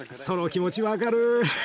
その気持ち分かる。